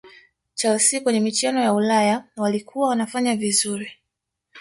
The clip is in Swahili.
Chelsea kwenye michuano ya Ulaya walikuwa wanafanya vizuri